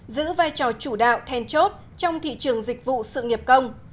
giữ vai trò chủ đạo then chốt trong thị trường dịch vụ sự nghiệp công